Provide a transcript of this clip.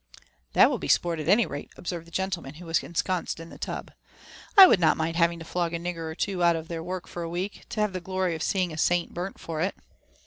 '* That will be sport, at any rate!" observed the genUeman who was ensconced in the tub. *'l would not mind having to flog a nigger or two out of their work for a w^ek» to have the glory of seeing a saint burnt for it."